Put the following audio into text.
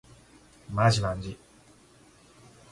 まじまんじ